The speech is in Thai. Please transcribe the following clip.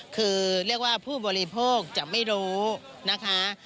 คือเรียกว่าผู้บริโภคจะไม่รู้นะคะ